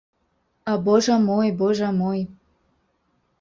А божа мой, божа мой.